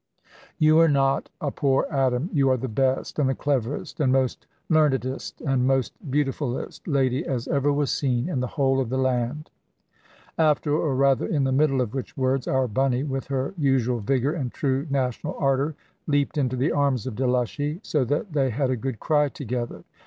"You are not a poor atom; you are the best, and the cleverest, and most learnedest, and most beautifullest lady as ever was seen in the whole of the land." After or rather in the middle of which words, our Bunny, with her usual vigour and true national ardour, leaped into the arms of Delushy, so that they had a good cry together.